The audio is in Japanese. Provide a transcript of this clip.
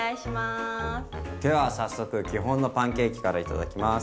では早速基本のパンケーキから頂きます。